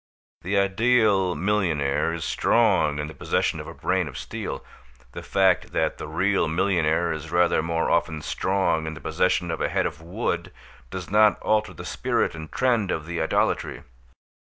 The ideal millionaire is strong in the possession of a brain of steel. The fact that the real millionaire is rather more often strong in the possession of a head of wood, does not alter the spirit and trend of the idolatry.